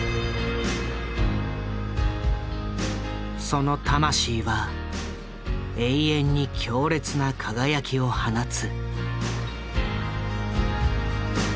その魂は永遠に強烈な輝きを放つ。